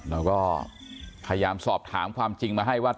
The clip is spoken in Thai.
เราก็พยายามสอบถามความจริงมาให้ว่า